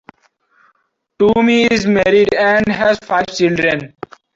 Toomey is married and has five children.